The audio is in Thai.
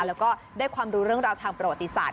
แล้วก็ได้ความรู้เรื่องราวทางประวัติศาสต